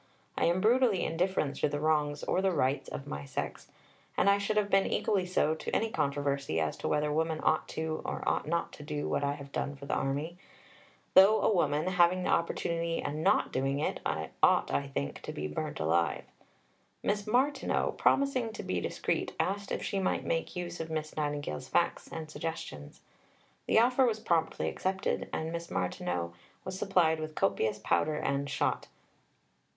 I am brutally indifferent to the wrongs or the rights of my sex. And I should have been equally so to any controversy as to whether women ought or ought not to do what I have done for the Army; though a woman, having the opportunity and not doing it, ought, I think, to be burnt alive." Miss Martineau, promising to be discreet, asked if she might make use of Miss Nightingale's facts and suggestions. The offer was promptly accepted, and Miss Martineau was supplied with copious powder and shot.